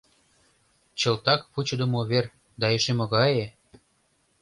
— Чылтак вучыдымо увер, да эше могае!..